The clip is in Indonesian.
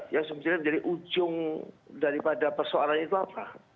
yang sebetulnya menjadi ujung daripada persoalannya itu apa